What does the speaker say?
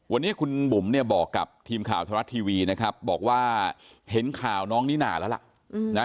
วันนี้คุณบุ๋มเนี่ยบอกกับทีมข่าวธรรมรัฐทีวีนะครับบอกว่าเห็นข่าวน้องนิน่าแล้วล่ะนะ